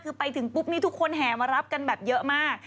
คือไปถึงปุ๊บนี้ทุกคนแห่มารับกันแบบเยอะมาก